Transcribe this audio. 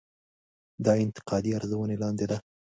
دا انتقادي ارزونې لاندې ده.